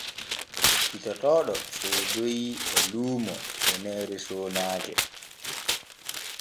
Cippitotooɗo soodoyi e luumo weneere soonaaje.